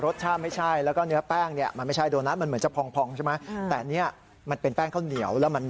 ทั้งเหนียวแล้วก็แน่น